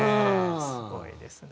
すごいですね。